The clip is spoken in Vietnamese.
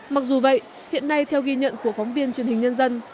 mặc dù vậy hiện nay theo ghi nhận của phóng viên truyền hình nhân dân